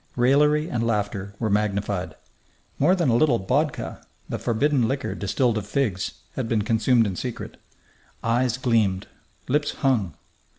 Raillery and laughter were magnified. More than a little bokha, the forbidden liquor distilled of figs, had been consumed in secret. Eyes gleamed; lips hung....